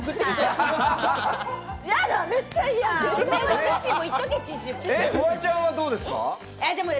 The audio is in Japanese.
フワちゃんは、どうですか？